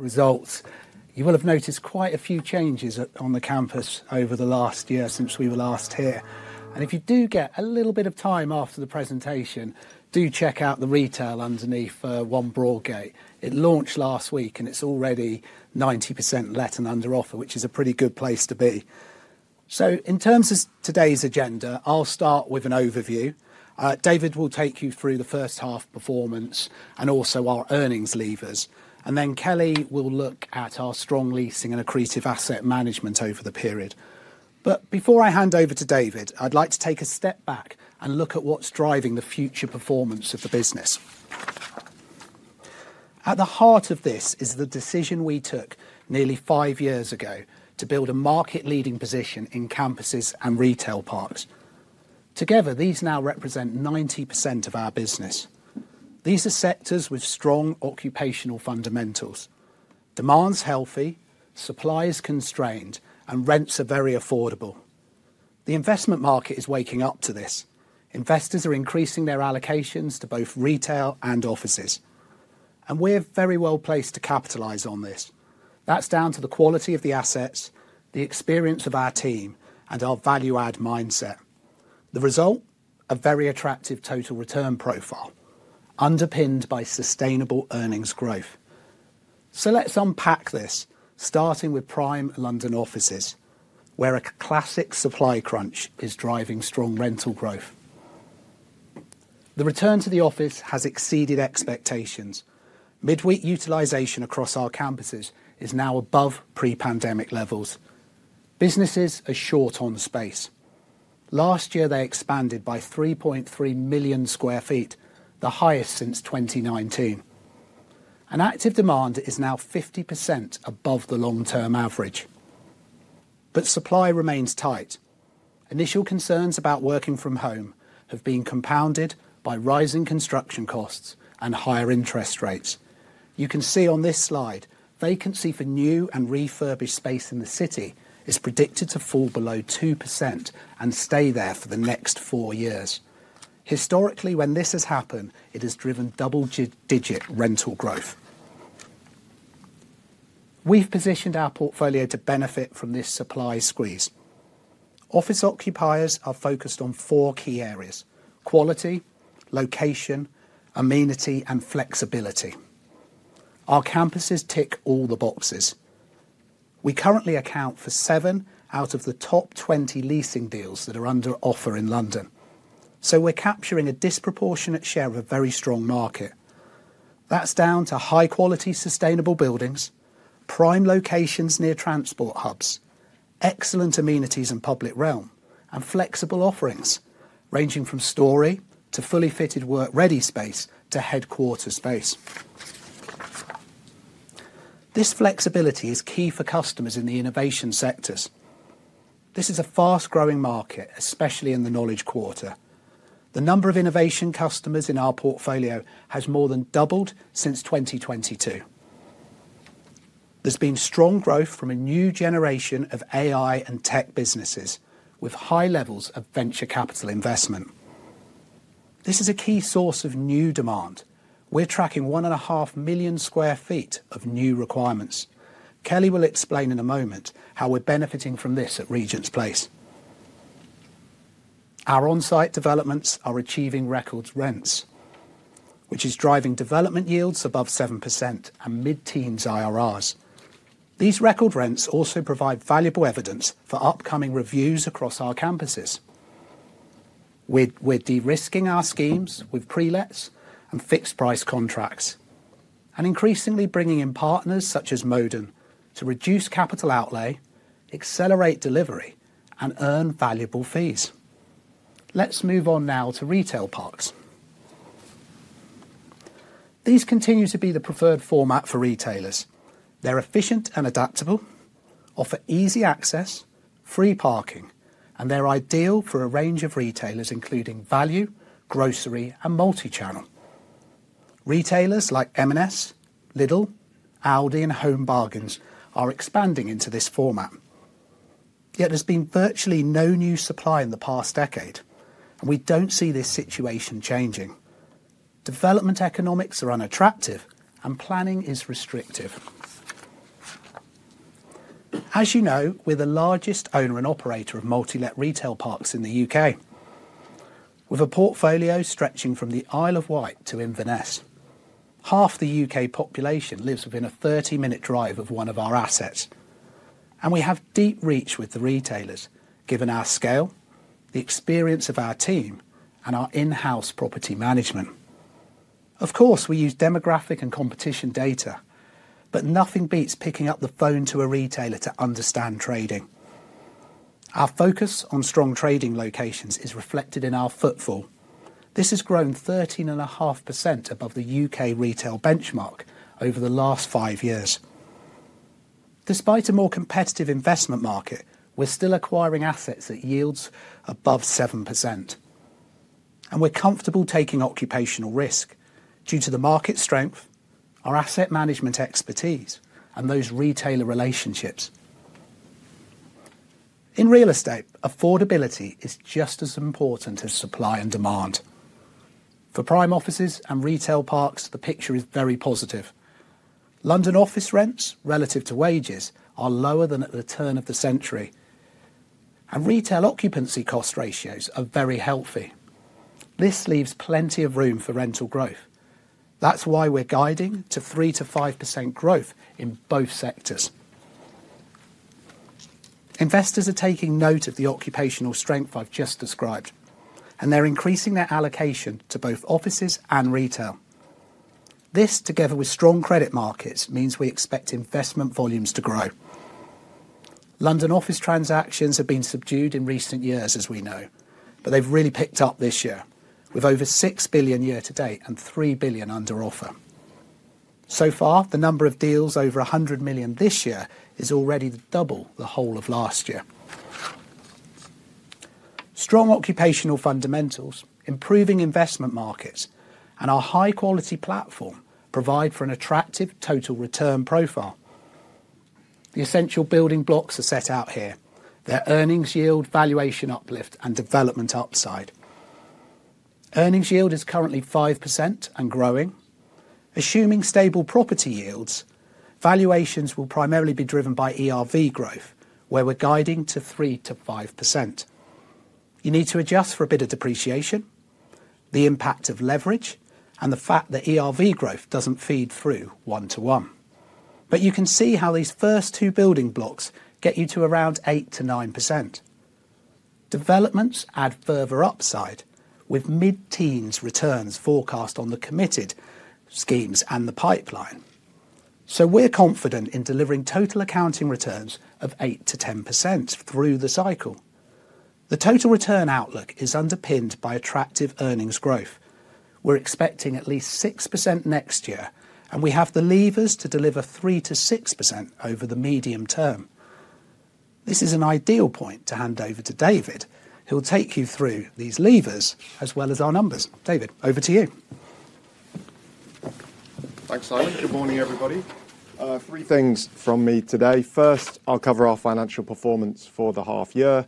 Results. You will have noticed quite a few changes on the campus over the last year since we were last here. If you do get a little bit of time after the presentation, do check out the retail underneath 1 Broadgate. It launched last week, and it is already 90% let and under offer, which is a pretty good place to be. In terms of today's agenda, I'll start with an overview. David will take you through the first half performance and also our earnings levers. Kelly will look at our strong leasing and accretive asset management over the period. Before I hand over to David, I'd like to take a step back and look at what's driving the future performance of the business. At the heart of this is the decision we took nearly five years ago to build a market-leading position in campuses and retail parks. Together, these now represent 90% of our business. These are sectors with strong occupational fundamentals, demand is healthy, supply is constrained, and rents are very affordable. The investment market is waking up to this. Investors are increasing their allocations to both retail and offices. We are very well placed to capitalize on this. That is down to the quality of the assets, the experience of our team, and our value-add mindset. The result? A very attractive total return profile, underpinned by sustainable earnings growth. Let us unpack this, starting with Prime London offices, where a classic supply crunch is driving strong rental growth. The return to the office has exceeded expectations. Midweek utilization across our campuses is now above pre-pandemic levels. Businesses are short on space. Last year, they expanded by 3.3 million sq ft, the highest since 2019. Active demand is now 50% above the long-term average. Supply remains tight. Initial concerns about working from home have been compounded by rising construction costs and higher interest rates. You can see on this slide, vacancy for new and refurbished space in the City of London is predicted to fall below 2% and stay there for the next four years. Historically, when this has happened, it has driven double-digit rental growth. We have positioned our portfolio to benefit from this supply squeeze. Office occupiers are focused on four key areas: quality, location, amenity, and flexibility. Our campuses tick all the boxes. We currently account for seven out of the top 20 leasing deals that are under offer in London. We are capturing a disproportionate share of a very strong market. That's down to high-quality sustainable buildings, prime locations near transport hubs, excellent amenities in public realm, and flexible offerings ranging from Storey to fully fitted work-ready space to headquarter space. This flexibility is key for customers in the innovation sectors. This is a fast-growing market, especially in the Knowledge Quarter. The number of innovation customers in our portfolio has more than doubled since 2022. There's been strong growth from a new generation of AI and tech businesses, with high levels of venture capital investment. This is a key source of new demand. We're tracking 1.5 million sq ft of new requirements. Kelly will explain in a moment how we're benefiting from this at Regent's Place. Our on-site developments are achieving record rents, which is driving development yields above 7% and mid-teens IRRs. These record rents also provide valuable evidence for upcoming reviews across our campuses. We're de-risking our schemes with pre-lets and fixed-price contracts, and increasingly bringing in partners such as Modon to reduce capital outlay, accelerate delivery, and earn valuable fees. Let's move on now to retail parks. These continue to be the preferred format for retailers. They're efficient and adaptable, offer easy access, free parking, and they're ideal for a range of retailers, including value, grocery, and multichannel. Retailers like M&S, Lidl, Aldi, and Home Bargains are expanding into this format. Yet there's been virtually no new supply in the past decade, and we don't see this situation changing. Development economics are unattractive, and planning is restrictive. As you know, we're the largest owner and operator of multi-let retail parks in the U.K., with a portfolio stretching from the Isle of Wight to Inverness. Half the U.K. population lives within a 30-minute drive of one of our assets. We have deep reach with the retailers, given our scale, the experience of our team, and our in-house property management. Of course, we use demographic and competition data, but nothing beats picking up the phone to a retailer to understand trading. Our focus on strong trading locations is reflected in our footfall. This has grown 13.5% above the U.K. retail benchmark over the last five years. Despite a more competitive investment market, we're still acquiring assets at yields above 7%. We're comfortable taking occupational risk due to the market strength, our asset management expertise, and those retailer relationships. In real estate, affordability is just as important as supply and demand. For prime offices and retail parks, the picture is very positive. London office rents, relative to wages, are lower than at the turn of the century. Retail occupancy cost ratios are very healthy. This leaves plenty of room for rental growth. That's why we're guiding to 3%-5% growth in both sectors. Investors are taking note of the occupational strength I've just described, and they're increasing their allocation to both offices and retail. This, together with strong credit markets, means we expect investment volumes to grow. London office transactions have been subdued in recent years, as we know, but they've really picked up this year, with over 6 billion year-to-date and 3 billion under offer. So far, the number of deals over 100 million this year is already double the whole of last year. Strong occupational fundamentals, improving investment markets, and our high-quality platform provide for an attractive total return profile. The essential building blocks are set out here: their earnings yield, valuation uplift, and development upside. Earnings yield is currently 5% and growing. Assuming stable property yields, valuations will primarily be driven by ERV growth, where we're guiding to 3%-5%. You need to adjust for a bit of depreciation, the impact of leverage, and the fact that ERV growth doesn't feed through one-to-one. You can see how these first two building blocks get you to around 8-9%. Developments add further upside, with mid-teens returns forecast on the committed schemes and the pipeline. We are confident in delivering total accounting returns of 8%-10% through the cycle. The total return outlook is underpinned by attractive earnings growth. We're expecting at least 6% next year, and we have the levers to deliver 3%-6% over the medium term. This is an ideal point to hand over to David, who'll take you through these levers as well as our numbers. David, over to you. Thanks, Simon. Good morning, everybody. Three things from me today. First, I'll cover our financial performance for the half-year.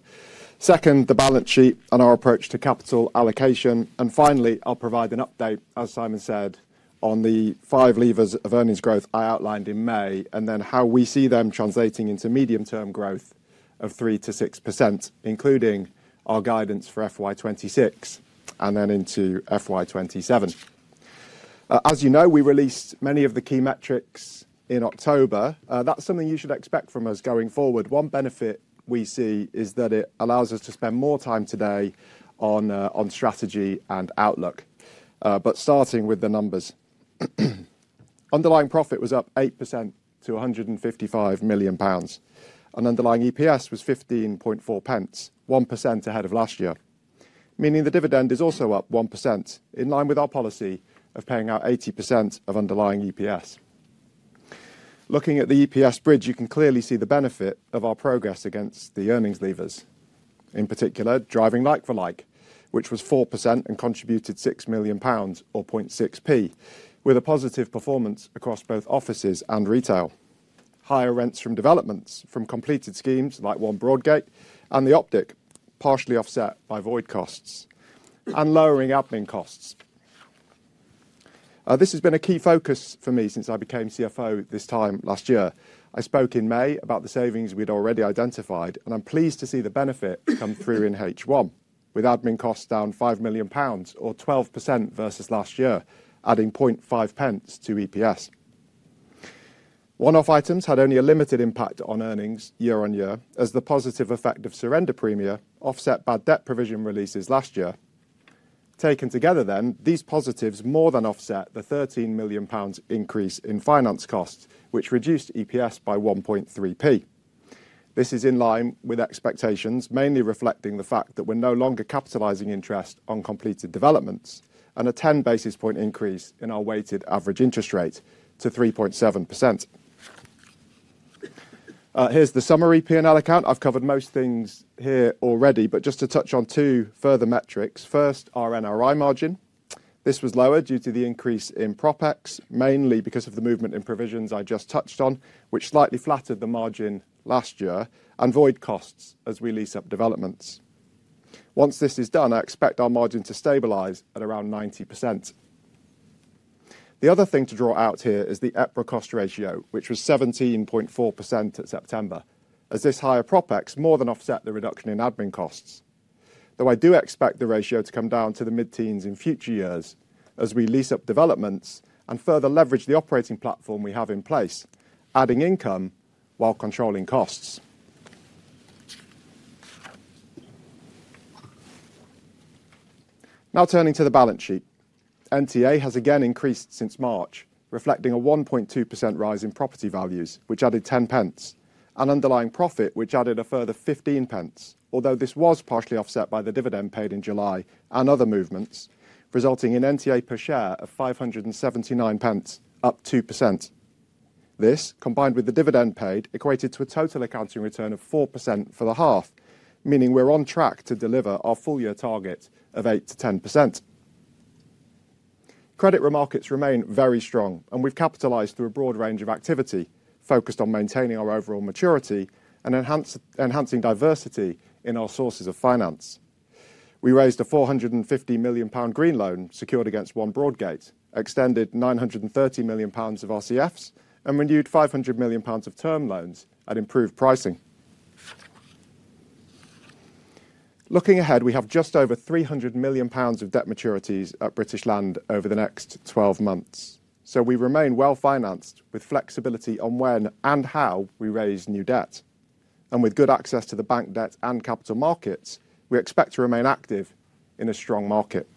Second, the balance sheet and our approach to capital allocation. Finally, I'll provide an update, as Simon said, on the five levers of earnings growth I outlined in May, and then how we see them translating into medium-term growth of 3%-6%, including our guidance for FY2026 and then into FY2027. As you know, we released many of the key metrics in October. That is something you should expect from us going forward. One benefit we see is that it allows us to spend more time today on strategy and outlook. Starting with the numbers, underlying profit was up 8% to 155 million pounds. An underlying EPS was 15.4 pence, 1% ahead of last year, meaning the dividend is also up 1%, in line with our policy of paying out 80% of underlying EPS. Looking at the EPS bridge, you can clearly see the benefit of our progress against the earnings levers. In particular, driving like-for-like, which was 4% and contributed 6 million pounds, or 0.6 pence, with a positive performance across both offices and retail. Higher rents from developments, from completed schemes like 1 Broadgate and The Optic, partially offset by void costs and lowering admin costs. This has been a key focus for me since I became CFO this time last year. I spoke in May about the savings we had already identified, and I am pleased to see the benefit come through in H1, with admin costs down 5 million pounds, or 12% versus last year, adding 0.5 pence to EPS. One-off items had only a limited impact on earnings year-on-year, as the positive effect of surrender premia offset bad debt provision releases last year. Taken together, then, these positives more than offset the 13 million pounds increase in finance costs, which reduced EPS by 1.3 pence. This is in line with expectations, mainly reflecting the fact that we're no longer capitalizing interest on completed developments and a 10 basis point increase in our weighted average interest rate to 3.7%. Here's the summary P&L account. I've covered most things here already, but just to touch on two further metrics. First, our NRI margin. This was lower due to the increase in PropEx, mainly because of the movement in provisions I just touched on, which slightly flattered the margin last year, and void costs as we lease up developments. Once this is done, I expect our margin to stabilize at around 90%. The other thing to draw out here is the EPRA cost ratio, which was 17.4% at September, as this higher PropEx more than offset the reduction in admin costs. Though I do expect the ratio to come down to the mid-teens in future years as we lease up developments and further leverage the operating platform we have in place, adding income while controlling costs. Now turning to the balance sheet, NTA has again increased since March, reflecting a 1.2% rise in property values, which added 10 pence, and underlying profit, which added a further 15 pence, although this was partially offset by the dividend paid in July and other movements, resulting in NTA per share of 579 pence, up 2%. This, combined with the dividend paid, equated to a total accounting return of 4% for the half, meaning we're on track to deliver our full-year target of 8%-10%. Credit remarkets remain very strong, and we've capitalized through a broad range of activity focused on maintaining our overall maturity and enhancing diversity in our sources of finance. We raised 450 million pound green loan secured against 1 Broadgate, extended 930 million pounds of RCFs, and renewed 500 million pounds of term loans at improved pricing. Looking ahead, we have just over 300 million pounds of debt maturities at British Land over the next 12 months. We remain well-financed with flexibility on when and how we raise new debt. With good access to the bank debt and capital markets, we expect to remain active in a strong market.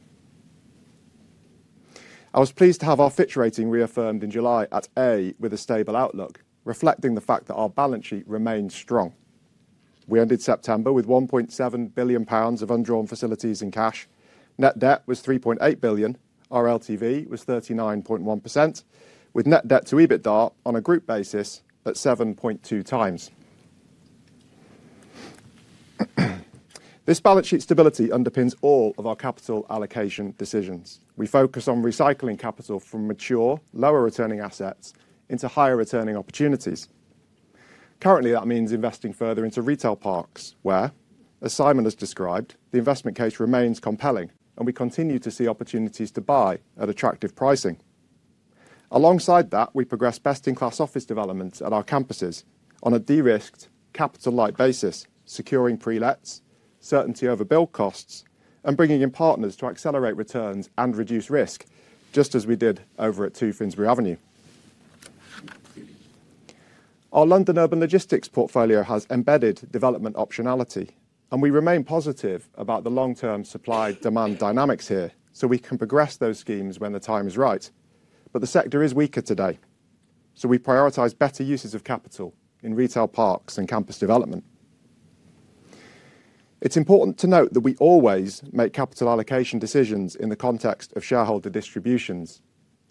I was pleased to have our Fitch rating reaffirmed in July at A with a stable outlook, reflecting the fact that our balance sheet remains strong. We ended September with 1.7 billion pounds of undrawn facilities in cash. Net debt was 3.8 billion. Our LTV was 39.1%, with net debt to EBITDA on a group basis at 7.2 times. This balance sheet stability underpins all of our capital allocation decisions. We focus on recycling capital from mature, lower-returning assets into higher-returning opportunities. Currently, that means investing further into retail parks where, as Simon has described, the investment case remains compelling, and we continue to see opportunities to buy at attractive pricing. Alongside that, we progress best-in-class office developments at our campuses on a de-risked, capital-light basis, securing pre-lets, certainty over build costs, and bringing in partners to accelerate returns and reduce risk, just as we did over at 2 Finsbury Avenue. Our London Urban Logistics portfolio has embedded development optionality, and we remain positive about the long-term supply-demand dynamics here, so we can progress those schemes when the time is right. The sector is weaker today, so we prioritize better uses of capital in retail parks and campus development. It's important to note that we always make capital allocation decisions in the context of shareholder distributions,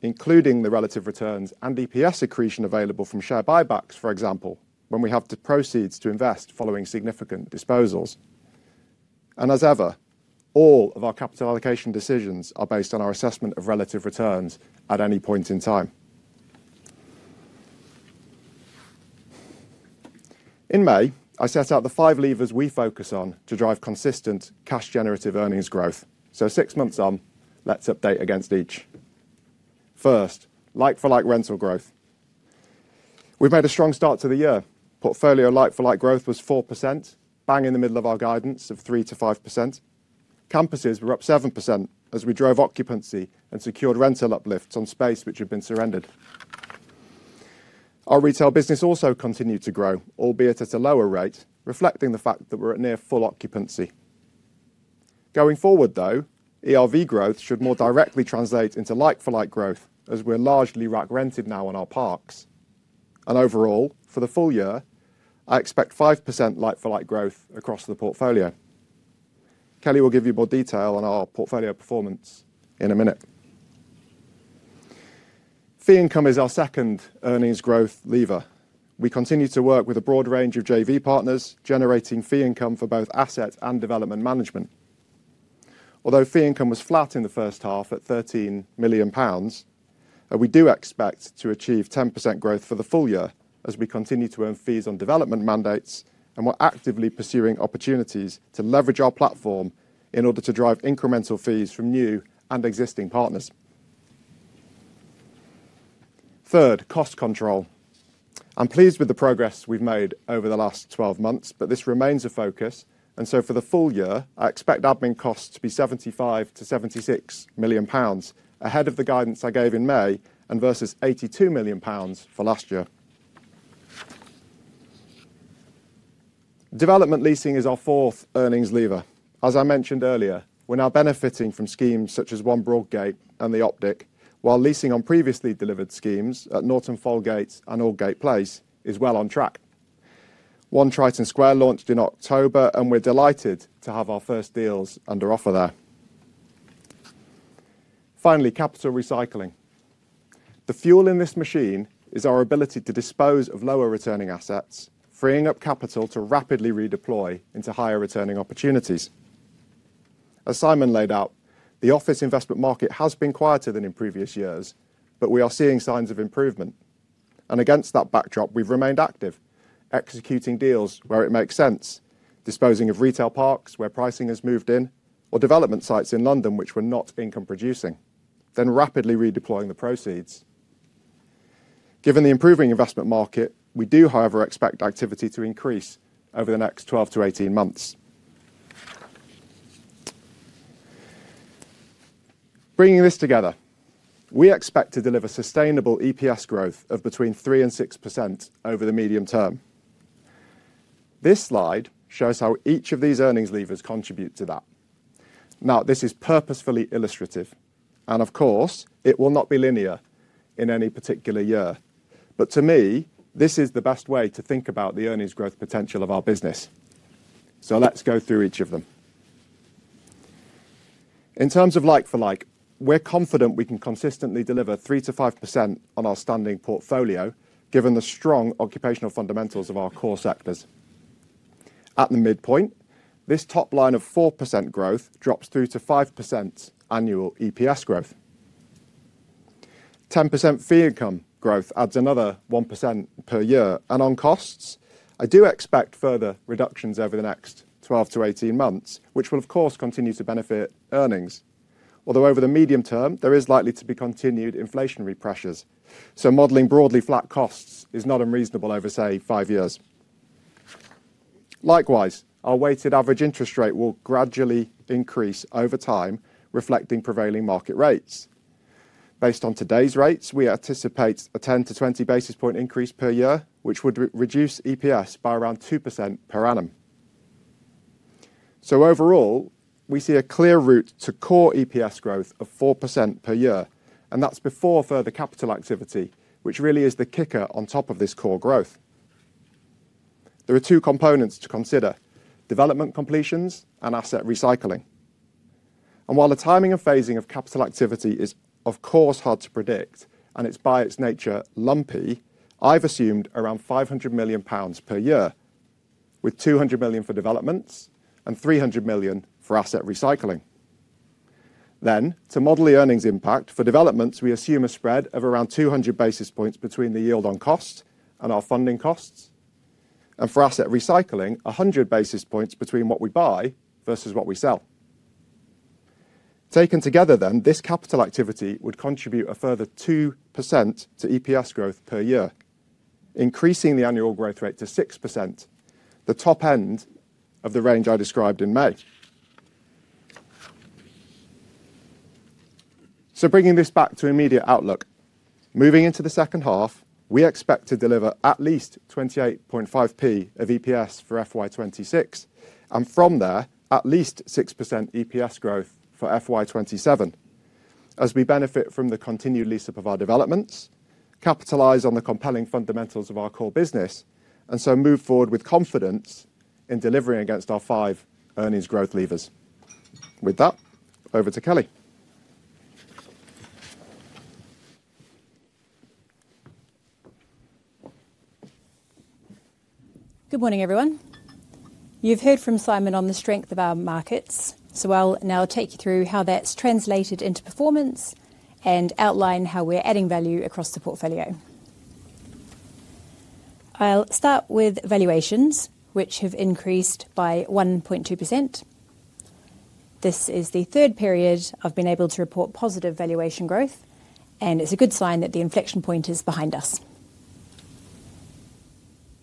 including the relative returns and EPS accretion available from share buybacks, for example, when we have to proceed to invest following significant disposals. As ever, all of our capital allocation decisions are based on our assessment of relative returns at any point in time. In May, I set out the five levers we focus on to drive consistent cash-generative earnings growth. Six months on, let's update against each. First, like-for-like rental growth. We've made a strong start to the year. Portfolio like-for-like growth was 4%, bang in the middle of our guidance of 3%-5%. Campuses were up 7% as we drove occupancy and secured rental uplifts on space which had been surrendered. Our retail business also continued to grow, albeit at a lower rate, reflecting the fact that we're at near full occupancy. Going forward, though, ERV growth should more directly translate into like-for-like growth, as we're largely rack-rented now on our parks. Overall, for the full year, I expect 5% like-for-like growth across the portfolio. Kelly will give you more detail on our portfolio performance in a minute. Fee income is our second earnings growth lever. We continue to work with a broad range of JV partners, generating fee income for both asset and development management. Although fee income was flat in the first half at 13 million pounds, we do expect to achieve 10% growth for the full year as we continue to earn fees on development mandates and we're actively pursuing opportunities to leverage our platform in order to drive incremental fees from new and existing partners. Third, cost control. I'm pleased with the progress we've made over the last 12 months, but this remains a focus. For the full year, I expect admin costs to be 75-76 million pounds ahead of the guidance I gave in May and versus 82 million pounds for last year. Development leasing is our fourth earnings lever. As I mentioned earlier, we're now benefiting from schemes such as 1 Broadgate and The Optic, while leasing on previously delivered schemes at Norton Folgate and Aldgate Place is well on track. 1 Triton Square launched in October, and we're delighted to have our first deals under offer there. Finally, capital recycling. The fuel in this machine is our ability to dispose of lower-returning assets, freeing up capital to rapidly redeploy into higher-returning opportunities. As Simon laid out, the office investment market has been quieter than in previous years, but we are seeing signs of improvement. Against that backdrop, we've remained active, executing deals where it makes sense, disposing of retail parks where pricing has moved in, or development sites in London which were not income-producing, then rapidly redeploying the proceeds. Given the improving investment market, we do, however, expect activity to increase over the next 12-18 months. Bringing this together, we expect to deliver sustainable EPS growth of between 3-6% over the medium term. This slide shows how each of these earnings levers contribute to that. Now, this is purposefully illustrative, and of course, it will not be linear in any particular year. To me, this is the best way to think about the earnings growth potential of our business. Let's go through each of them. In terms of like-for-like, we're confident we can consistently deliver 3%-5% on our standing portfolio, given the strong occupational fundamentals of our core sectors. At the midpoint, this top line of 4% growth drops through to 5% annual EPS growth. 10% fee income growth adds another 1% per year. On costs, I do expect further reductions over the next 12-18 months, which will, of course, continue to benefit earnings. Although over the medium term, there is likely to be continued inflationary pressures. Modelling broadly flat costs is not unreasonable over, say, five years. Likewise, our weighted average interest rate will gradually increase over time, reflecting prevailing market rates. Based on today's rates, we anticipate a 10-20 basis point increase per year, which would reduce EPS by around 2% per annum. Overall, we see a clear route to core EPS growth of 4% per year, and that's before further capital activity, which really is the kicker on top of this core growth. There are two components to consider: development completions and asset recycling. While the timing and phasing of capital activity is, of course, hard to predict, and it's by its nature lumpy, I've assumed around 500 million pounds per year, with 200 million for developments and 300 million for asset recycling. To model the earnings impact for developments, we assume a spread of around 200 basis points between the yield on cost and our funding costs, and for asset recycling, 100 basis points between what we buy versus what we sell. Taken together, this capital activity would contribute a further 2% to EPS growth per year, increasing the annual growth rate to 6%, the top end of the range I described in May. Bringing this back to immediate outlook, moving into the second half, we expect to deliver at least 0.285 of EPS for FY2026, and from there, at least 6% EPS growth for FY2027, as we benefit from the continued lease-up of our developments, capitalize on the compelling fundamentals of our core business, and move forward with confidence in delivering against our five earnings growth levers. With that, over to Kelly. Good morning, everyone. You've heard from Simon on the strength of our markets. I'll now take you through how that's translated into performance and outline how we're adding value across the portfolio. I'll start with valuations, which have increased by 1.2%. This is the third period I've been able to report positive valuation growth, and it's a good sign that the inflection point is behind us.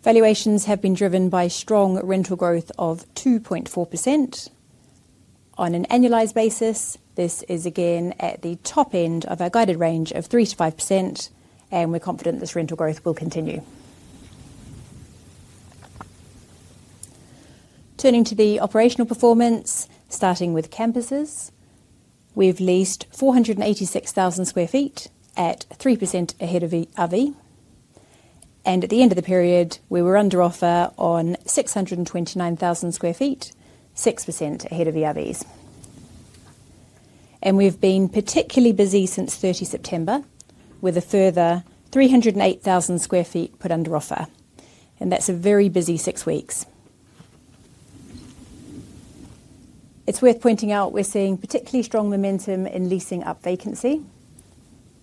Valuations have been driven by strong rental growth of 2.4%. On an annualized basis, this is again at the top end of our guided range of 3-5%, and we're confident this rental growth will continue. Turning to the operational performance, starting with campuses, we've leased 486,000 sq ft at 3% ahead of ERV. At the end of the period, we were under offer on 629,000 sq ft, 6% ahead of ERVs. We have been particularly busy since 30 September, with a further 308,000 sq ft put under offer. That is a very busy six weeks. It is worth pointing out we are seeing particularly strong momentum in leasing up vacancy.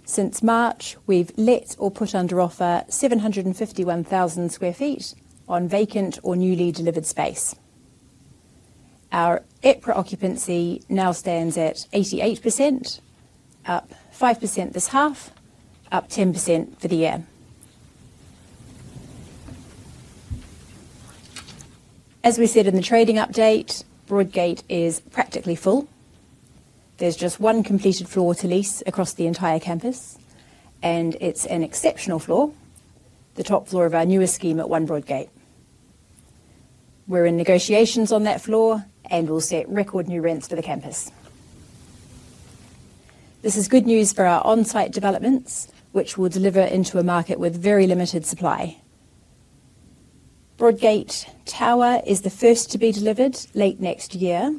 Since March, we have let or put under offer 751,000 sq ft on vacant or newly delivered space. Our EPRA occupancy now stands at 88%, up 5% this half, up 10% for the year. As we said in the trading update, Broadgate is practically full. There is just one completed floor to lease across the entire campus, and it is an exceptional floor, the top floor of our newest scheme at 1 Broadgate. We are in negotiations on that floor, and we will set record new rents for the campus. This is good news for our on-site developments, which will deliver into a market with very limited supply. Broadgate Tower is the first to be delivered late next year.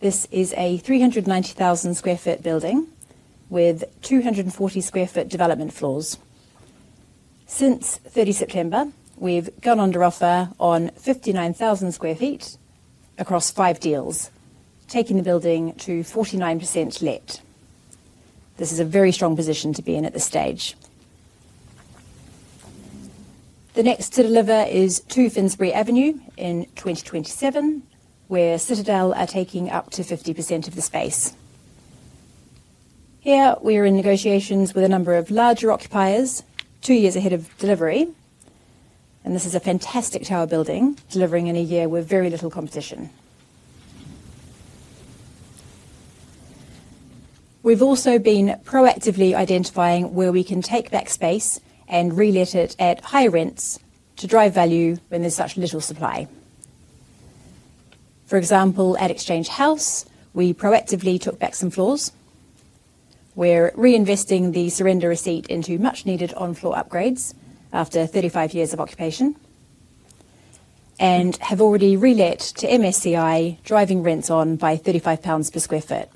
This is a 390,000 sq ft building with 24,000 sq ft development floors. Since 30 September, we've gone under offer on 59,000 sq ft across five deals, taking the building to 49% let. This is a very strong position to be in at this stage. The next to deliver is 2 Finsbury Avenue in 2027, where Citadel are taking up to 50% of the space. Here, we are in negotiations with a number of larger occupiers two years ahead of delivery. This is a fantastic tower building, delivering in a year with very little competition. We've also been proactively identifying where we can take back space and relet it at higher rents to drive value when there's such little supply. For example, at Exchange House, we proactively took back some floors. We're reinvesting the surrender receipt into much-needed on-floor upgrades after 35 years of occupation and have already relet to MSCI, driving rents on by 35 pounds per sq ft.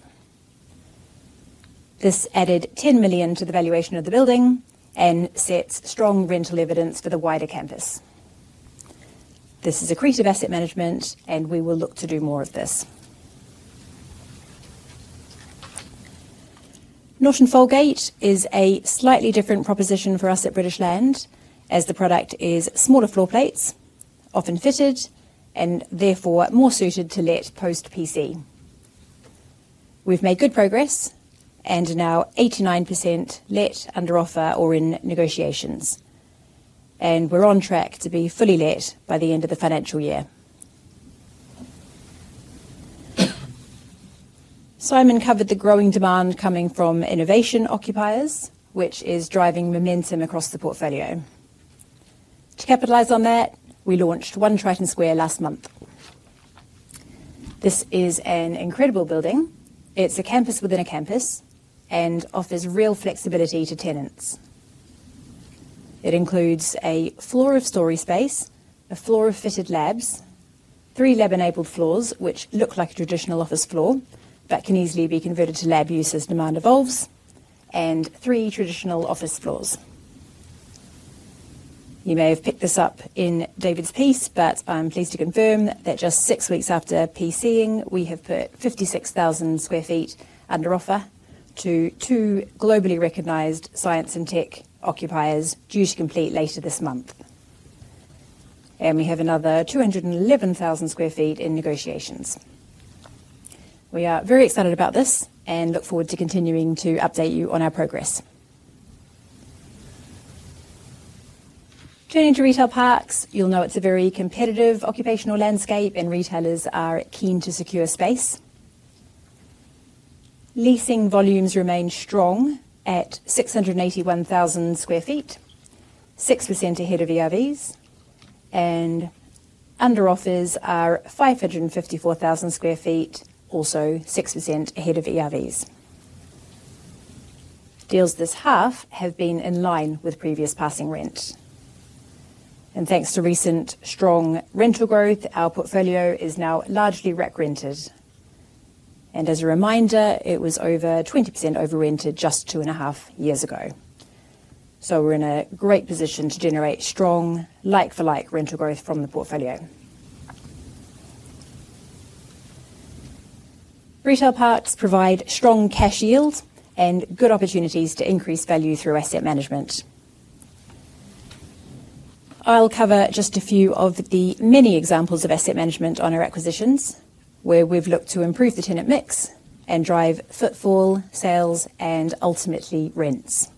This added 10 million to the valuation of the building and sets strong rental evidence for the wider campus. This is creative asset management, and we will look to do more of this. Norton Folgate is a slightly different proposition for us at British Land, as the product is smaller floor plates, often fitted, and therefore more suited to let post-PC. We've made good progress and are now 89% let, under offer, or in negotiations. We are on track to be fully let by the end of the financial year. Simon covered the growing demand coming from innovation occupiers, which is driving momentum across the portfolio. To capitalize on that, we launched 1 Triton Square last month. This is an incredible building. It's a campus within a campus and offers real flexibility to tenants. It includes a floor of story space, a floor of fitted labs, three lab-enabled floors, which look like a traditional office floor but can easily be converted to lab use as demand evolves, and three traditional office floors. You may have picked this up in David's piece, but I'm pleased to confirm that just six weeks after PCing, we have put 56,000 sq ft under offer to two globally recognized science and tech occupiers due to complete later this month. We have another 211,000 sq ft in negotiations. We are very excited about this and look forward to continuing to update you on our progress. Turning to retail parks, you'll know it's a very competitive occupational landscape, and retailers are keen to secure space. Leasing volumes remain strong at 681,000 sq ft, 6% ahead of ERVs, and under offers are 554,000 sq ft, also 6% ahead of ERVs. Deals this half have been in line with previous passing rent. Thanks to recent strong rental growth, our portfolio is now largely re-rented. As a reminder, it was over 20% over-rented just two and a half years ago. We are in a great position to generate strong like-for-like rental growth from the portfolio. Retail parks provide strong cash yields and good opportunities to increase value through asset management. I'll cover just a few of the many examples of asset management on our acquisitions, where we've looked to improve the tenant mix and drive footfall, sales, and ultimately rents.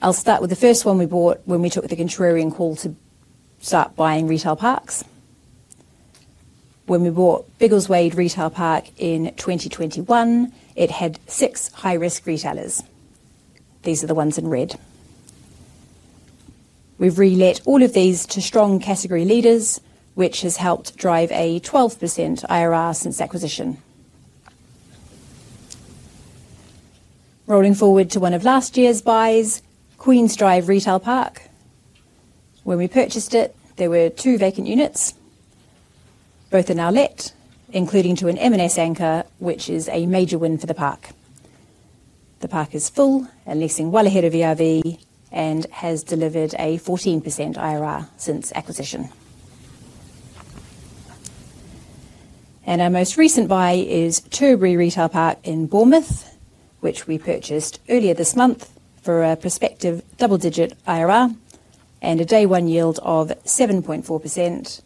I'll start with the first one we bought when we took the contrarian call to start buying retail parks. When we bought Biggleswade Retail Park in 2021, it had six high-risk retailers. These are the ones in red. We've relet all of these to strong category leaders, which has helped drive a 12% IRR since acquisition. Rolling forward to one of last year's buys, Queens Drive Retail Park. When we purchased it, there were two vacant units. Both are now let, including to an M&S anchor, which is a major win for the park. The park is full and leasing well ahead of ERV and has delivered a 14% IRR since acquisition. Our most recent buy is Turbary Retail Park in Bournemouth, which we purchased earlier this month for a prospective double-digit IRR and a day-one yield of 7.4%,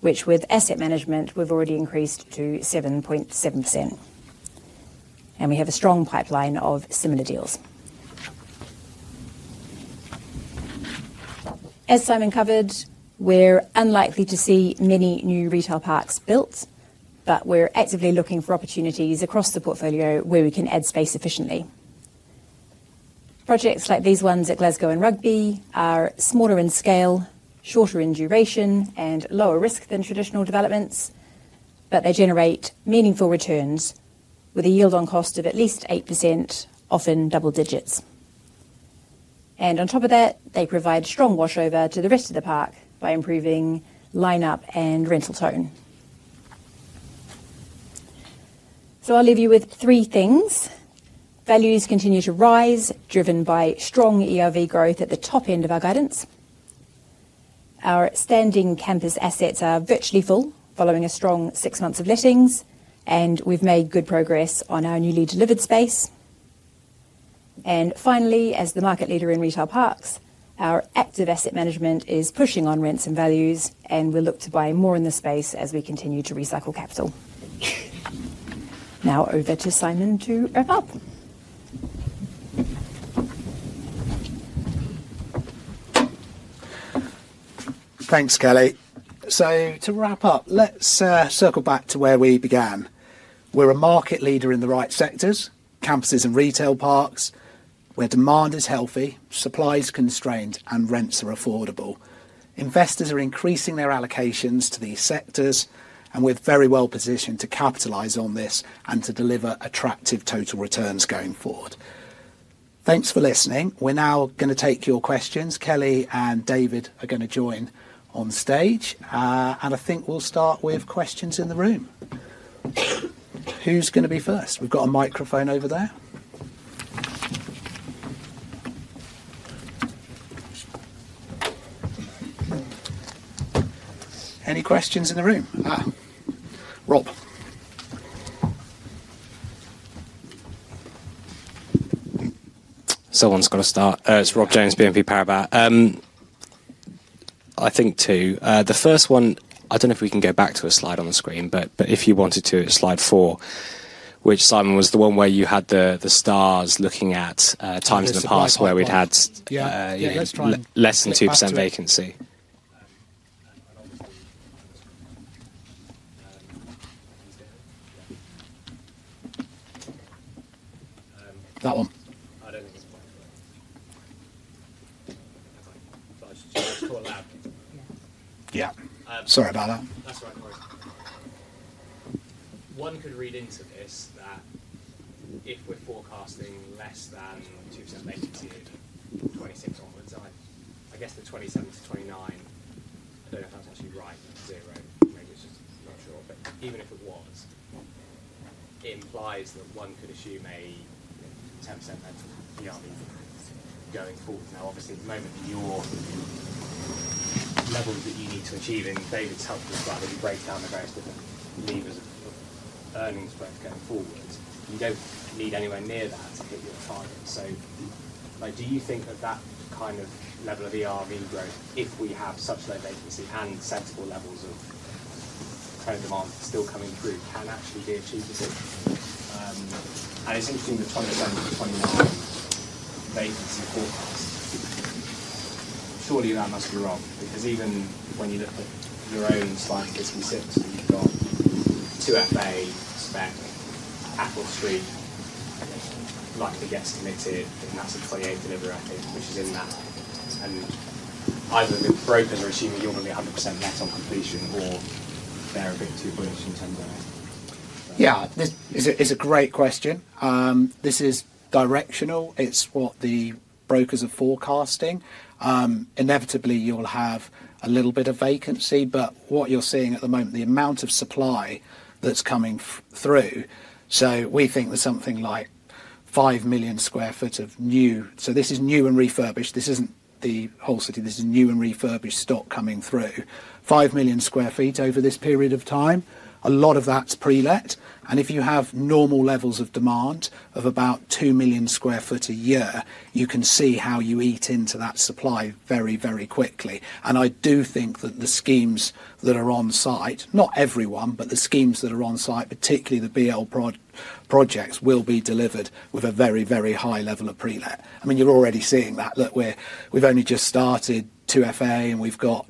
which with asset management, we've already increased to 7.7%. We have a strong pipeline of similar deals. As Simon covered, we're unlikely to see many new retail parks built, but we're actively looking for opportunities across the portfolio where we can add space efficiently. Projects like these ones at Glasgow and Rugby are smaller in scale, shorter in duration, and lower risk than traditional developments, but they generate meaningful returns with a yield on cost of at least 8%, often double digits. On top of that, they provide strong washover to the rest of the park by improving lineup and rental tone. I'll leave you with three things. Values continue to rise, driven by strong ERV growth at the top end of our guidance. Our standing campus assets are virtually full following a strong six months of lettings, and we've made good progress on our newly delivered space. Finally, as the market leader in retail parks, our active asset management is pushing on rents and values, and we'll look to buy more in the space as we continue to recycle capital. Now over to Simon to wrap up. Thanks, Kelly. To wrap up, let's circle back to where we began. We're a market leader in the right sectors, campuses and retail parks, where demand is healthy, supply is constrained, and rents are affordable. Investors are increasing their allocations to these sectors, and we're very well positioned to capitalize on this and to deliver attractive total returns going forward. Thanks for listening. We're now going to take your questions. Kelly and David are going to join on stage. I think we'll start with questions in the room. Who's going to be first? We've got a microphone over there. Any questions in the room? Rob. Someone's got to start. It's Rob Jones, BNP Paribas. I think two. The first one, I don't know if we can go back to a slide on the screen, but if you wanted to, it's slide four, which Simon was the one where you had the stars looking at times in the past where we'd had less than 2% vacancy. That one. I don't think it's quite clear. Sorry about that. That's all right. One could read into this that if we're forecasting less than 2% vacancy in 2026 onwards, I guess the 2027 to 2029, I don't know if that's actually right, zero, maybe it's just not sure, but even if it was, it implies that one could assume a 10% ERV going forward. Now, obviously, at the moment, your levels that you need to achieve, and David's helped us with that, as you break down the various different levers of earnings growth going forward, you do not need anywhere near that to hit your target. Do you think that that kind of level of ERV growth, if we have such low vacancy and sensible levels of current demand still coming through, can actually be achieved? It is interesting, the 2027 to 2029 vacancy forecast. Surely that must be wrong, because even when you look at your own slide 56, you have got 2FA, SPEC, Appold Street, likely gets committed, and that is a 2028 delivery, I think, which is in that. Either the brokers are assuming you will be 100% net on completion, or they are a bit too bullish in terms of it. It is a great question. This is directional. It's what the brokers are forecasting. Inevitably, you'll have a little bit of vacancy, but what you're seeing at the moment, the amount of supply that's coming through. We think there's something like 5 million sq ft of new. This is new and refurbished. This isn't the whole city. This is new and refurbished stock coming through. 5 million sq ft over this period of time. A lot of that's pre-let. If you have normal levels of demand of about 2 million sq ft a year, you can see how you eat into that supply very, very quickly. I do think that the schemes that are on site, not everyone, but the schemes that are on site, particularly the BL projects, will be delivered with a very, very high level of pre-let. I mean, you're already seeing that. Look, we've only just started 2FA, and we've got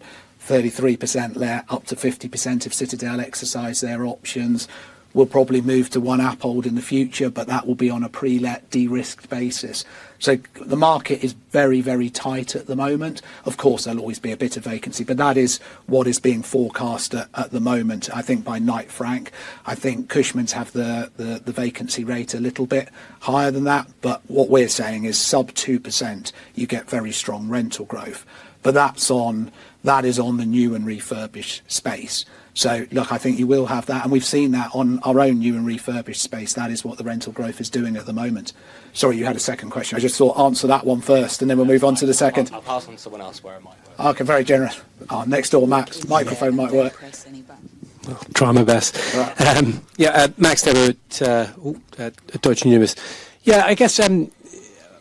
33% let, up to 50% if Citadel exercise their options. We'll probably move to 1 Appold in the future, but that will be on a pre-let, de-risked basis. The market is very, very tight at the moment. Of course, there will always be a bit of vacancy, but that is what is being forecast at the moment. I think by Knight Frank, I think Cushman's have the vacancy rate a little bit higher than that, but what we're saying is sub 2%, you get very strong rental growth. That is on the new and refurbished space. I think you will have that. We've seen that on our own new and refurbished space. That is what the rental growth is doing at the moment. Sorry, you had a second question. I just thought answer that one first, and then we'll move on to the second. I'll pass on to someone else where it might work. Okay, very generous. Next door, Max. Microphone might work. Try my best. Yeah, Max Nimmo at Deutsche Numis. Yeah, I guess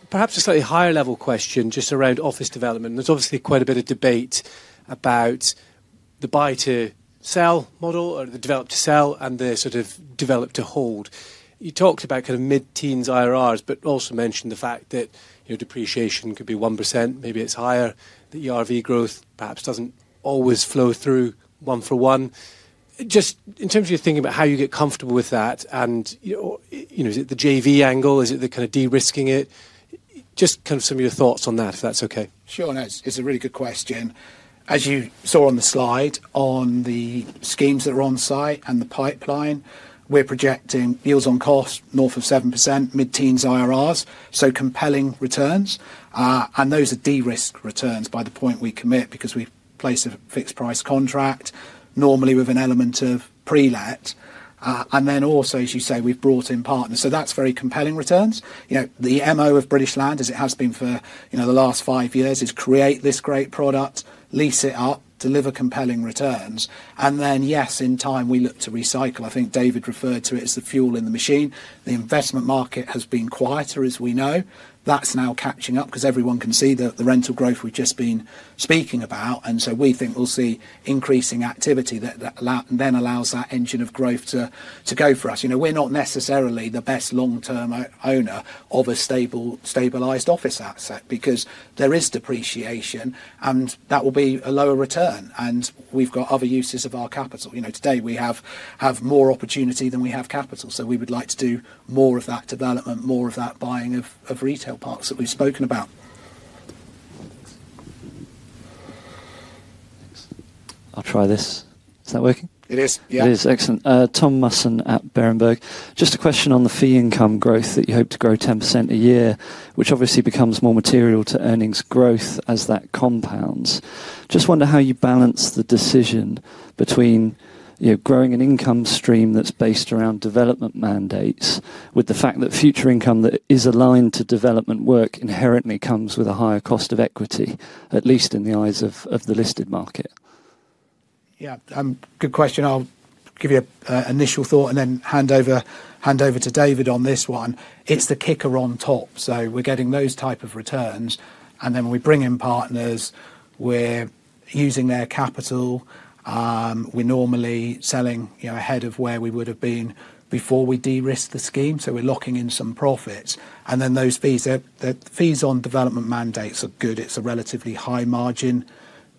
perhaps a slightly higher level question just around office development. There's obviously quite a bit of debate about the buy-to-sell model or the develop-to-sell and the sort of develop-to-hold. You talked about kind of mid-teens IRRs, but also mentioned the fact that depreciation could be 1%, maybe it's higher, that ERV growth perhaps doesn't always flow through one for one. Just in terms of your thinking about how you get comfortable with that, and is it the JV angle? Is it the kind of de-risking it? Just kind of some of your thoughts on that, if that's okay. Sure, no. It's a really good question. As you saw on the slide, on the schemes that are on site and the pipeline, we're projecting yields on cost north of 7%, mid-teens IRRs, so compelling returns. Those are de-risked returns by the point we commit because we place a fixed price contract, normally with an element of pre-let. Also, as you say, we've brought in partners. That's very compelling returns. The MO of British Land, as it has been for the last five years, is create this great product, lease it up, deliver compelling returns. Yes, in time, we look to recycle. I think David referred to it as the fuel in the machine. The investment market has been quieter, as we know. That's now catching up because everyone can see the rental growth we've just been speaking about. We think we'll see increasing activity that then allows that engine of growth to go for us. We're not necessarily the best long-term owner of a stabilized office asset because there is depreciation, and that will be a lower return. We've got other uses of our capital. Today, we have more opportunity than we have capital. We would like to do more of that development, more of that buying of retail parks that we've spoken about. I'll try this. Is that working? It is. Yeah. It is. Excellent. Tom Musson at Berenberg. Just a question on the fee income growth that you hope to grow 10% a year, which obviously becomes more material to earnings growth as that compounds. Just wonder how you balance the decision between growing an income stream that's based around development mandates with the fact that future income that is aligned to development work inherently comes with a higher cost of equity, at least in the eyes of the listed market. Yeah, good question. I'll give you an initial thought and then hand over to David on this one. It's the kicker on top. We're getting those type of returns. When we bring in partners, we're using their capital. We're normally selling ahead of where we would have been before we de-risk the scheme. We're locking in some profits. Those fees, the fees on development mandates are good. It's a relatively high-margin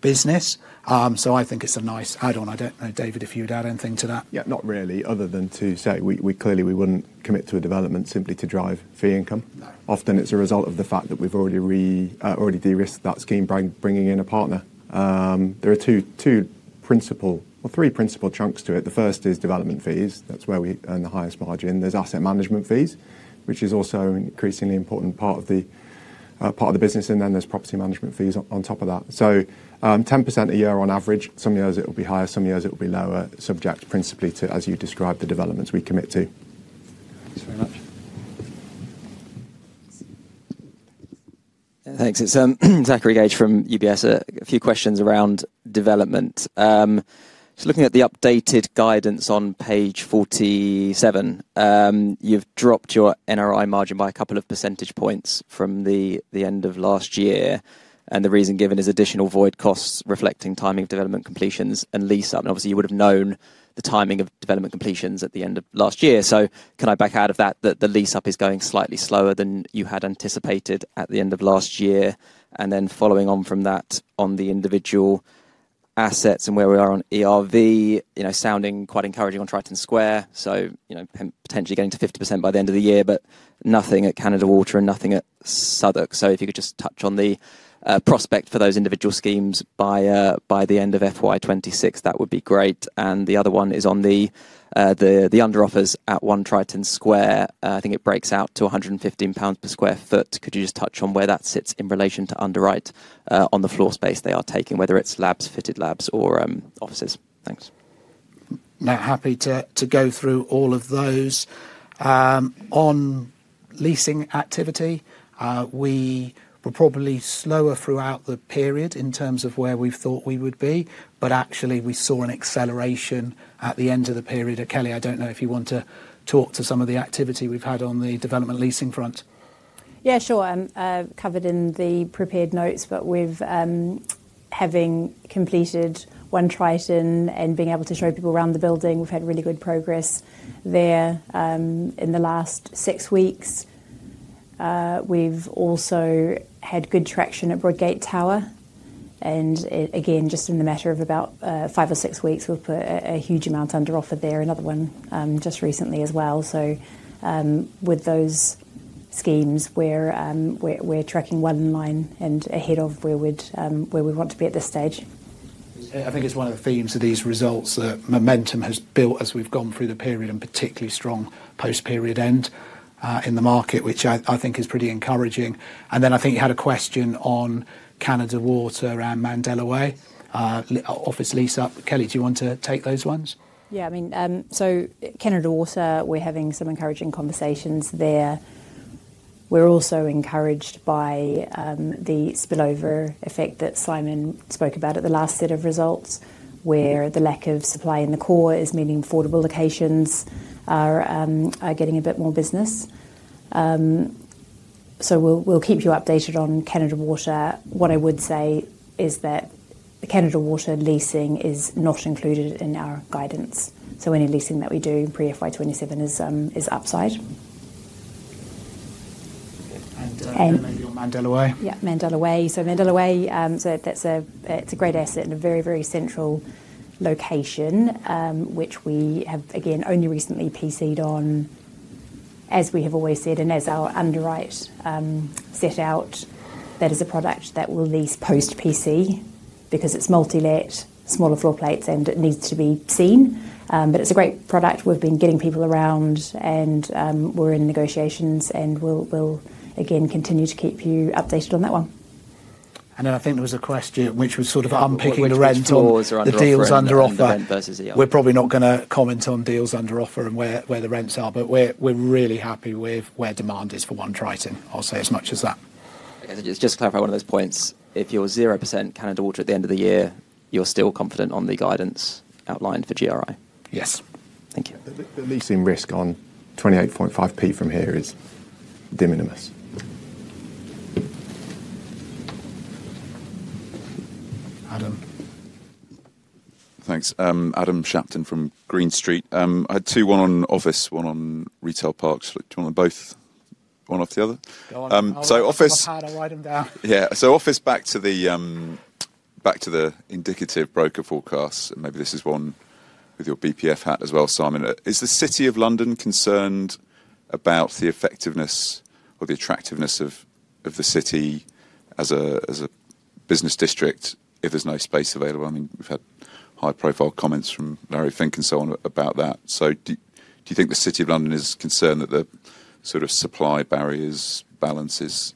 business. I think it's a nice add-on. I don't know, David, if you would add anything to that. Yeah, not really, other than to say we clearly would not commit to a development simply to drive fee income. Often, it is a result of the fact that we have already de-risked that scheme by bringing in a partner. There are two principal or three principal chunks to it. The first is development fees. That is where we earn the highest margin. There are asset management fees, which is also an increasingly important part of the business. Then there are property management fees on top of that. 10% a year on average. Some years it will be higher, some years it will be lower, subject principally to, as you described, the developments we commit to. Thanks very much. Thanks. It is Zachary Gauge from UBS. A few questions around development. Just looking at the updated guidance on page 47, you've dropped your NRI margin by a couple of percentage points from the end of last year. The reason given is additional void costs reflecting timing of development completions and lease-up. Obviously, you would have known the timing of development completions at the end of last year. Can I back out of that that the lease-up is going slightly slower than you had anticipated at the end of last year? Following on from that on the individual assets and where we are on ERV, sounding quite encouraging on Triton Square. Potentially getting to 50% by the end of the year, but nothing at Canada Water and nothing at Southwark. If you could just touch on the prospect for those individual schemes by the end of FY2026, that would be great. The other one is on the under offers at 1 Triton Square. I think it breaks out to 115 pounds per sq ft. Could you just touch on where that sits in relation to underwrite on the floor space they are taking, whether it is labs, fitted labs, or offices? Thanks. Now, happy to go through all of those. On leasing activity, we were probably slower throughout the period in terms of where we thought we would be, but actually we saw an acceleration at the end of the period. Kelly, I do not know if you want to talk to some of the activity we have had on the development leasing front. Yeah, sure. Covered in the prepared notes, but with having completed 1 Triton and being able to show people around the building, we have had really good progress there in the last six weeks. We've also had good traction at Broadgate Tower. Again, just in the matter of about five or six weeks, we've put a huge amount under offer there. Another one just recently as well. With those schemes, we're tracking one line and ahead of where we'd want to be at this stage. I think it's one of the themes of these results that momentum has built as we've gone through the period and particularly strong post-period end in the market, which I think is pretty encouraging. I think you had a question on Canada Water and Mandela Way. Office lease-up. Kelly, do you want to take those ones? Yeah. I mean, Canada Water, we're having some encouraging conversations there. We're also encouraged by the spillover effect that Simon spoke about at the last set of results, where the lack of supply in the core is meaning affordable locations are getting a bit more business. We will keep you updated on Canada Water. What I would say is that Canada Water leasing is not included in our guidance. Any leasing that we do pre-FY2027 is upside. And Mandela Way. Yeah, Mandela Way. Mandela Way, it's a great asset in a very, very central location, which we have, again, only recently PC'd on, as we have always said, and as our underwrite set out, that is a product that will lease post-PC because it's multi-let, smaller floor plates, and it needs to be seen. It's a great product. We've been getting people around, and we're in negotiations, and we will, again, continue to keep you updated on that one. I think there was a question which was sort of unpicking the rental. The deal's under offer. We're probably not going to comment on deals under offer and where the rents are, but we're really happy with where demand is for One Triton. I'll say as much as that. Just to clarify one of those points, if you're 0% Canada Water at the end of the year, you're still confident on the guidance outlined for GRI? Yes. Thank you. The leasing risk on 28.5 pence from here is de minimis. Adam. Thanks. Adam Shapton from Green Street. I had two, one on office, one on retail parks. Do you want to both one off the other? Office. I'll write them down. Yeah. Office, back to the indicative broker forecasts. And maybe this is one with your BPF hat as well, Simon. Is the City of London concerned about the effectiveness or the attractiveness of the city as a business district if there's no space available? I mean, we've had high-profile comments from Larry Fink and so on about that. Do you think the City of London is concerned that the sort of supply barriers balance is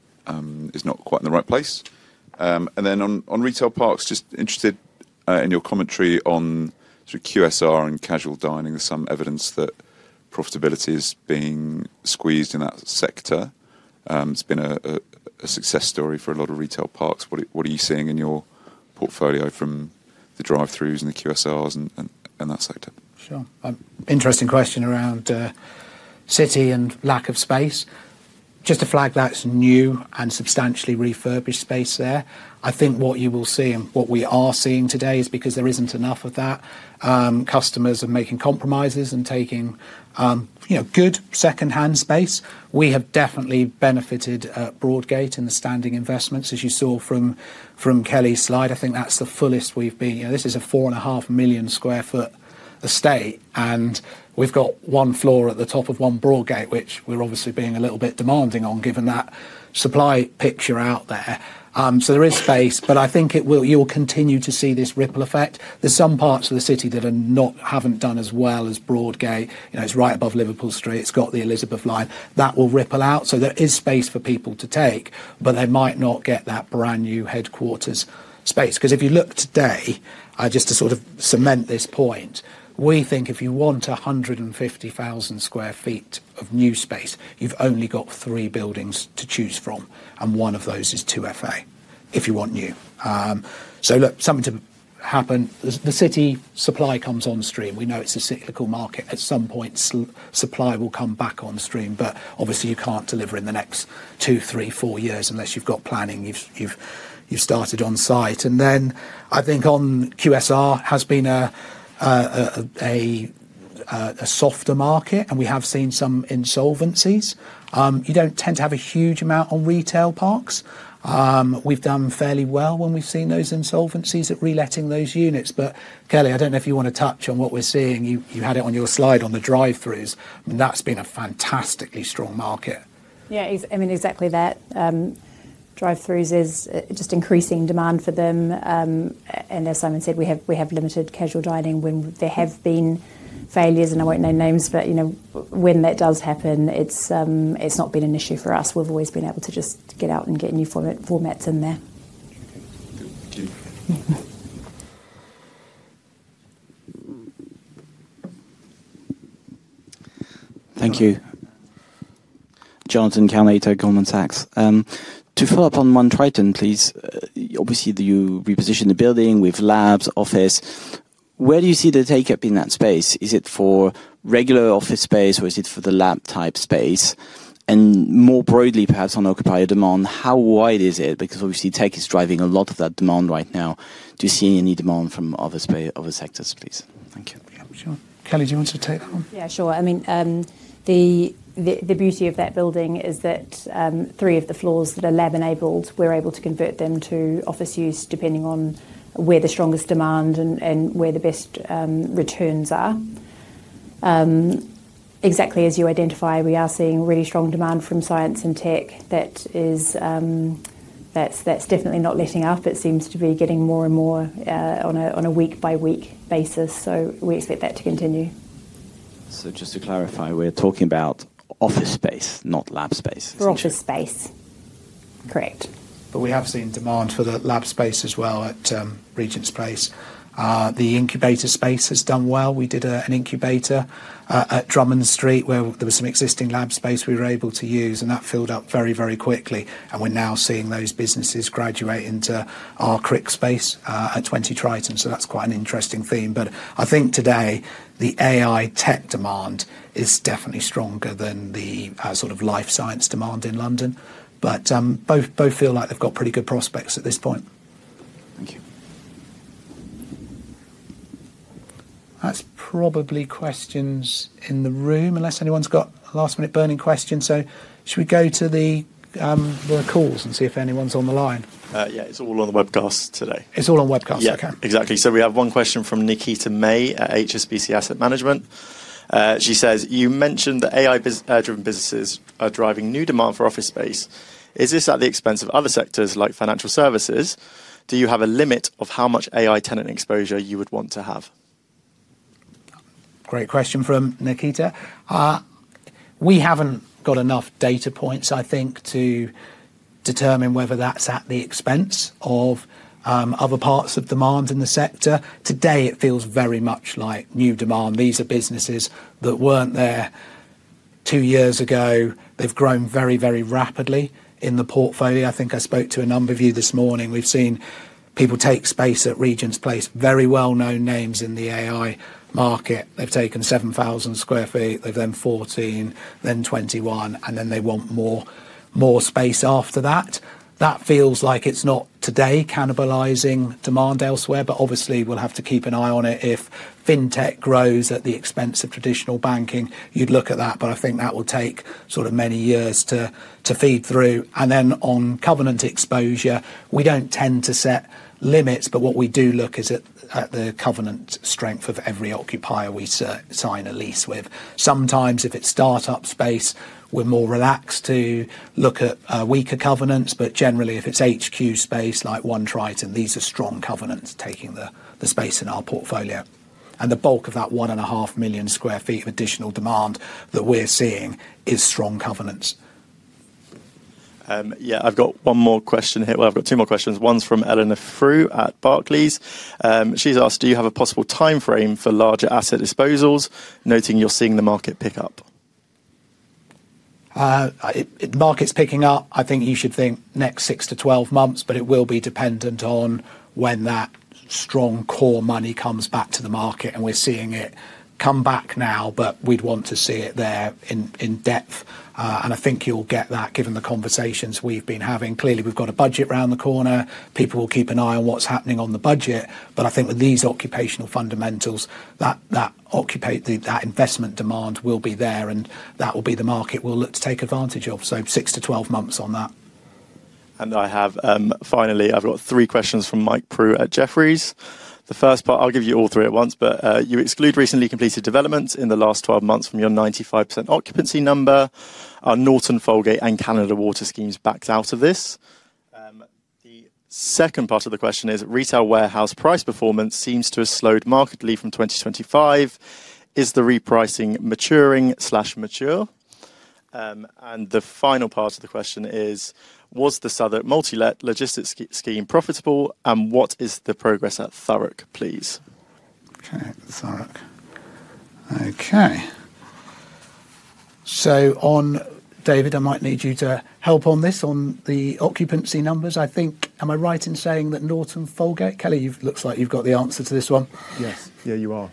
not quite in the right place? On retail parks, just interested in your commentary on QSR and casual dining. There's some evidence that profitability is being squeezed in that sector. It's been a success story for a lot of retail parks. What are you seeing in your portfolio from the drive-throughs and the QSRs and that sector? Sure. Interesting question around city and lack of space. Just to flag that's new and substantially refurbished space there. I think what you will see and what we are seeing today is because there is not enough of that. Customers are making compromises and taking good second-hand space. We have definitely benefited at Broadgate in the standing investments, as you saw from Kelly's slide. I think that is the fullest we have been. This is a 4.5 million sq ft estate, and we have got one floor at the top of 1 Broadgate, which we are obviously being a little bit demanding on given that supply picture out there. There is space, but I think you will continue to see this ripple effect. There are some parts of the city that have not done as well as Broadgate. It is right above Liverpool Street. It has got the Elizabeth Line. That will ripple out. There is space for people to take, but they might not get that brand new headquarters space. Because if you look today, just to sort of cement this point, we think if you want 150,000 sq ft of new space, you've only got three buildings to choose from, and one of those is 2FA if you want new. Look, something will happen. The city supply comes on stream. We know it's a cyclical market. At some point, supply will come back on stream, but obviously, you can't deliver in the next two, three, four years unless you've got planning. You've started on site. I think on QSR, it has been a softer market, and we have seen some insolvencies. You don't tend to have a huge amount on retail parks. We've done fairly well when we've seen those insolvencies at reletting those units. Kelly, I don't know if you want to touch on what we're seeing. You had it on your slide on the drive-throughs. I mean, that's been a fantastically strong market. Yeah, I mean, exactly that. Drive-throughs is just increasing demand for them. As Simon said, we have limited casual dining when there have been failures. I won't name names, but when that does happen, it's not been an issue for us. We've always been able to just get out and get new formats in there. Thank you. Jonathan Kownator, Goldman Sachs. To follow up on 1 Triton, please. Obviously, you repositioned the building with labs, office. Where do you see the take-up in that space? Is it for regular office space, or is it for the lab-type space? More broadly, perhaps on occupier demand, how wide is it? Because obviously, tech is driving a lot of that demand right now. Do you see any demand from other sectors, please? Thank you. Kelly, do you want to take that one? Yeah, sure. I mean, the beauty of that building is that three of the floors that are lab-enabled, we're able to convert them to office use depending on where the strongest demand and where the best returns are. Exactly as you identify, we are seeing really strong demand from science and tech that's definitely not letting up. It seems to be getting more and more on a week-by-week basis. We expect that to continue. Just to clarify, we're talking about office space, not lab space. For office space. Correct. We have seen demand for the lab space as well at Regent's Place. The incubator space has done well. We did an incubator at Drummond Street where there was some existing lab space we were able to use, and that filled up very, very quickly. We're now seeing those businesses graduate into our Crick space at 20 Triton. That's quite an interesting theme. I think today, the AI tech demand is definitely stronger than the sort of life science demand in London. Both feel like they've got pretty good prospects at this point. Thank you. That's probably questions in the room, unless anyone's got last-minute burning questions. Should we go to the calls and see if anyone's on the line? Yeah, it's all on the webcast today. It's all on webcast. Okay. Yeah, exactly. We have one question from Nikita May at HSBC Asset Management. She says, "You mentioned that AI-driven businesses are driving new demand for office space. Is this at the expense of other sectors like financial services? Do you have a limit of how much AI tenant exposure you would want to have? Great question from Nikita. We haven't got enough data points, I think, to determine whether that's at the expense of other parts of demand in the sector. Today, it feels very much like new demand. These are businesses that weren't there two years ago. They've grown very, very rapidly in the portfolio. I think I spoke to a number of you this morning. We've seen people take space at Regent's Place, very well-known names in the AI market. They've taken 7,000 sq ft, they've then 14, then 21, and then they want more space after that. That feels like it's not today cannibalizing demand elsewhere, but obviously, we'll have to keep an eye on it. If fintech grows at the expense of traditional banking, you'd look at that, but I think that will take many years to feed through. On covenant exposure, we do not tend to set limits, but what we do look at is the covenant strength of every occupier we sign a lease with. Sometimes, if it is startup space, we are more relaxed to look at weaker covenants. Generally, if it is HQ space like 1 Triton, these are strong covenants taking the space in our portfolio. The bulk of that 1.5 million sq ft of additional demand that we are seeing is strong covenants. I have one more question here. I have two more questions. One is from Eleanor Frew at Barclays. She has asked, "Do you have a possible timeframe for larger asset disposals, noting you are seeing the market pick up?" Market's picking up. I think you should think next 6-12 months, but it will be dependent on when that strong core money comes back to the market. We're seeing it come back now, but we'd want to see it there in depth. I think you'll get that given the conversations we've been having. Clearly, we've got a budget around the corner. People will keep an eye on what's happening on the budget. I think with these occupational fundamentals, that investment demand will be there, and that will be the market we'll look to take advantage of. 6-12 months on that. Finally, I've got three questions from Mike Prue at Jefferies. The first part, I'll give you all three at once, but you exclude recently completed developments in the last 12 months from your 95% occupancy number. Are Norton Folgate and Canada Water schemes backed out of this? The second part of the question is, "Retail warehouse price performance seems to have slowed markedly from 2025. Is the repricing maturing/mature?" The final part of the question is, "Was the Southwark multi-let logistics scheme profitable, and what is the progress at Thurrock, please?" Okay, Thurrock. Okay. David, I might need you to help on this on the occupancy numbers. I think, am I right in saying that Norton Folgate? Kelly, it looks like you've got the answer to this one. Yes. Yeah, you are.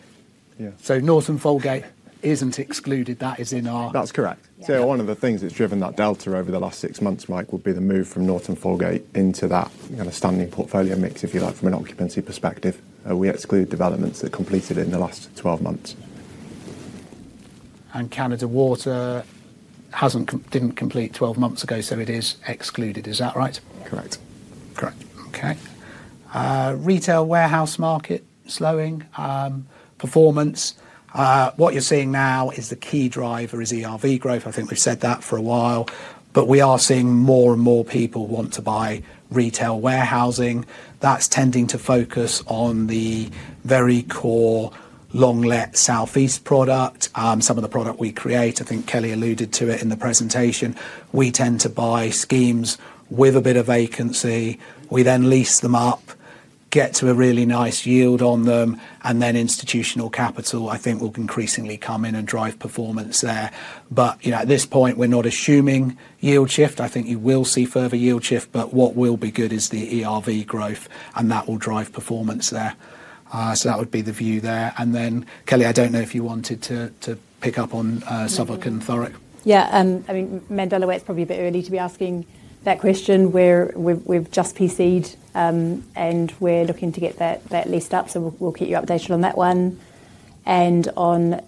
Yeah. So Norton Folgate isn't excluded. That is in our. That's correct. One of the things that's driven that delta over the last six months, Mike, would be the move from Norton Folgate into that kind of standing portfolio mix, if you like, from an occupancy perspective. We exclude developments that completed in the last 12 months. Canada Water did not complete 12 months ago, so it is excluded. Is that right? Correct. Correct. Okay. Retail warehouse market slowing. Performance. What you are seeing now is the key driver is ERV growth. I think we have said that for a while, but we are seeing more and more people want to buy retail warehousing. That is tending to focus on the very core long-let South East product. Some of the product we create, I think Kelly alluded to it in the presentation, we tend to buy schemes with a bit of vacancy. We then lease them up, get to a really nice yield on them, and then institutional capital, I think, will increasingly come in and drive performance there. At this point, we are not assuming yield shift. I think you will see further yield shift, but what will be good is the ERV growth, and that will drive performance there. That would be the view there. Kelly, I do not know if you wanted to pick up on Southwark and Thurrock. Yeah. I mean, Mandela Way, it is probably a bit early to be asking that question. We've just PC'd, and we are looking to get that leased up, so we will keep you updated on that one. On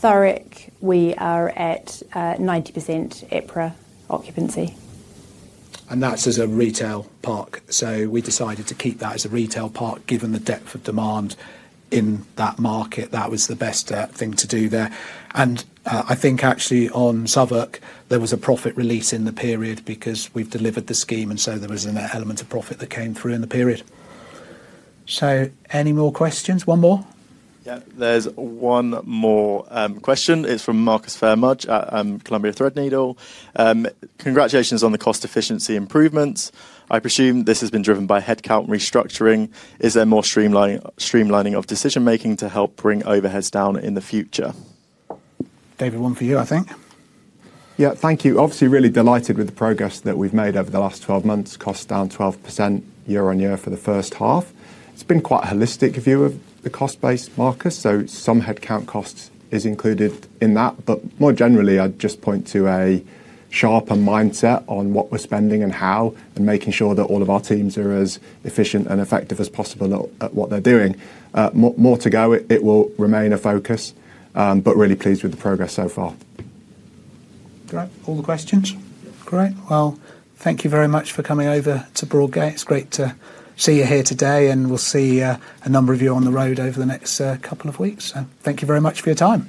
Thurrock, we are at 90% EPRA occupancy. That is as a retail park. We decided to keep that as a retail park given the depth of demand in that market. That was the best thing to do there. I think, actually, on Southwark, there was a profit release in the period because we have delivered the scheme, and there was an element of profit that came through in the period. Any more questions? One more? Yeah, there is one more question. It is from Marcus Phayre-Mudge at Columbia Threadneedle. "Congratulations on the cost efficiency improvements. I presume this has been driven by headcount restructuring. Is there more streamlining of decision-making to help bring overheads down in the future?" David, one for you, I think. Yeah, thank you. Obviously, really delighted with the progress that we have made over the last 12 months. Costs down 12% year-on-year for the first half. It has been quite a holistic view of the cost base, Marcus. Some headcount costs are included in that. More generally, I'd just point to a sharper mindset on what we're spending and how, and making sure that all of our teams are as efficient and effective as possible at what they're doing. More to go. It will remain a focus, but really pleased with the progress so far. Great. All the questions? Great. Thank you very much for coming over to Broadgate. It's great to see you here today, and we'll see a number of you on the road over the next couple of weeks. Thank you very much for your time.